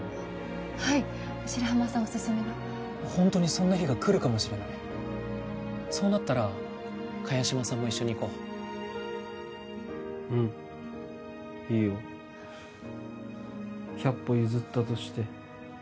はい白浜さんオススメのホントにそんな日が来るかもしれないそうなったら萱島さんも一緒に行こううんいいよ百歩譲ったとして